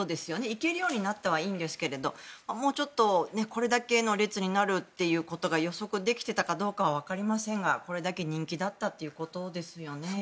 行けるようになったはいいんですがもうちょっとこれだけの列になるということが予測できていたかどうかはわかりませんがこれだけ人気だったということですよね。